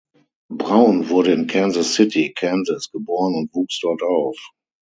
Brown wurde in Kansas City (Kansas) geboren und wuchs dort auf.